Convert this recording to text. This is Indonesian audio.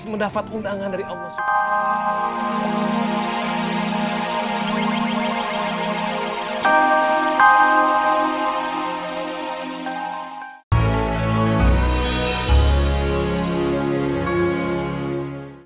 mendapat undangan dari allah swt